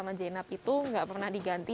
bagi kita yang kaya begini